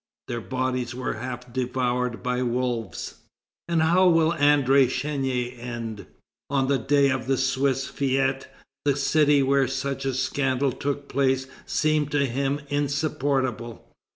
Their bodies were half devoured by wolves. And how will André Chénier end? On the day of the Swiss fête, the city where such a scandal took place seemed to him insupportable.